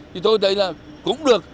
thì tôi thấy là cũng được